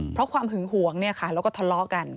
เพราะความหึงหวงแล้วก็ทะเลาะกัน